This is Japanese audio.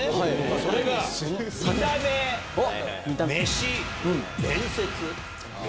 それが見た目、飯、伝説。